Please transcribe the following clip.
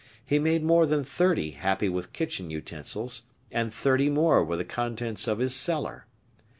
He made more than thirty happy with kitchen utensils; and thirty more with the contents of his cellar.